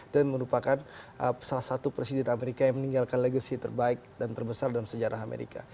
dan merupakan salah satu presiden amerika yang meninggalkan legacy terbaik dan terbesar dalam sejarah amerika